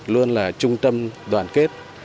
luôn là trung tâm đoàn kết